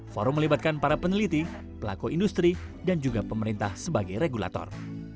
forum melibatkan para peneliti pelaku industri dan juga pemerintah sebagai regulator